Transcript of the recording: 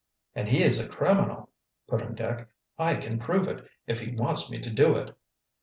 "And he is a criminal," put in Dick. "I can prove it, if he wants me to do it."